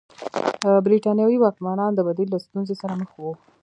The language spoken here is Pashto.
برېټانوي واکمنان د بدیل له ستونزې سره مخ وو.